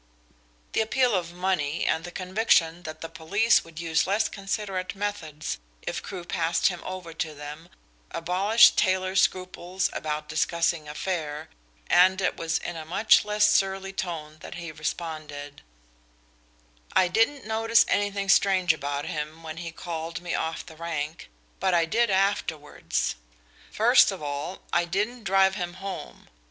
The appeal of money and the conviction that the police would use less considerate methods if Crewe passed him over to them abolished Taylor's scruples about discussing a fare, and it was in a much less surly tone that he responded: "I didn't notice anything strange about him when he called me off the rank, but I did afterwards. First of all, I didn't drive him home.